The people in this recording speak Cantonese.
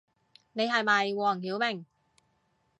你係咪黃曉明